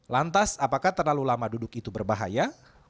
lantas apakah terlalu lama duduk itu berbahaya